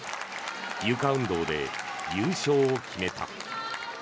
ゆか運動で優勝を決めた。